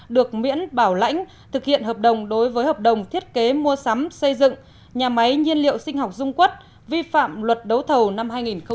được miễn bảo lãnh thực hiện hợp đồng đối với hợp đồng thiết kế mua sắm xây dựng nhà máy nhiên liệu sinh học dung quất vi phạm luật đấu thầu năm hai nghìn một mươi